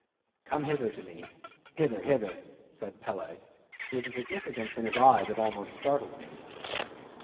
"Come hither to me—hither, hither," said Peleg, with a significance in his eye that almost startled me.